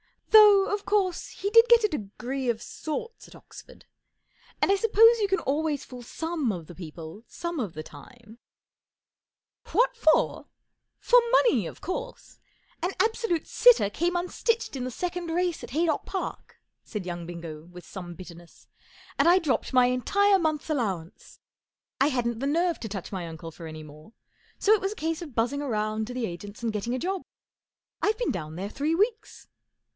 Though, of course, he did get a degree of sorts at Oxford, and I suppose] you cau always fool some of 156 Scoring Off Jeeves ' What for ? For money, of course ! An absolute sitter came unstitched in the second race at Haydock Park/' said young Bingo, with some bitterness, 44 and I dropped my entire month's allowance. I hadn't the nerve to touch my uncle for any more, so it was a case of buzzing round to the agents and getting a job. I've been down there three weeks."